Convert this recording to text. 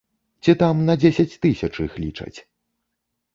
Ці там на дзесяць тысяч іх лічаць.